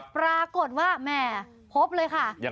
ปรากฏว่าแหมพบเลยค่ะ